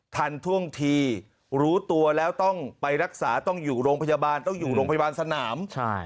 ท่วงทีรู้ตัวแล้วต้องไปรักษาต้องอยู่โรงพยาบาลต้องอยู่โรงพยาบาลสนาม